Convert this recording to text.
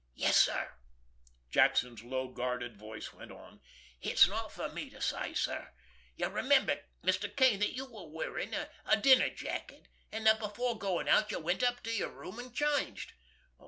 "Yes, sir." Jackson's low, guarded voice went on. "It's not for me to say, sir. You'll remember, Mr. Kane, that you were wearing a dinner jacket, and that before going out you went up to your room and changed.